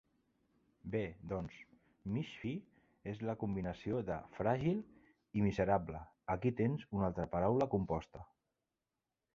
Bé, doncs, mimsy és la combinació de "fràgil i miserable", aquí tens una altre paraula composta.